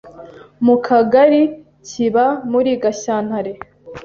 Mu Kagari kiba muri Gashyantare